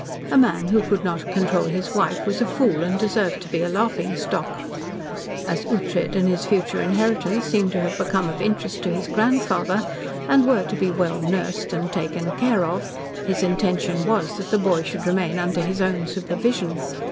A man who could not control his wife was a fool and deserved to be a laughing stock. As Ughtred and his future inheritance seemed to have become of interest to his grandfather, and were to be well nursed and taken care of, his intention was that the boy should remain under his own supervision.